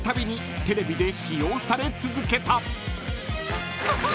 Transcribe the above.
テレビで使用され続けた］